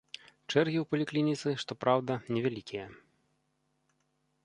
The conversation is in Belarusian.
Чэргі ў паліклініцы, што праўда, невялікія.